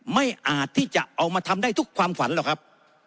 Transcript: อาจที่จะเอามาทำได้ทุกความฝันหรอกครับ